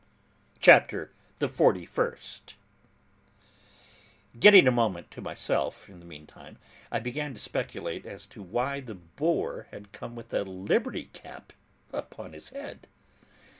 CHAPTER THE FORTY FIRST. Getting a moment to myself, in the meantime, I began to speculate as to why the boar had come with a liberty cap upon his head.